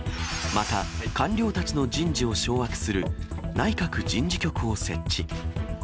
また官僚たちの人事を掌握する内閣人事局を設置。